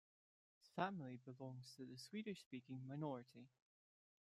His family belongs to the Swedish-speaking minority.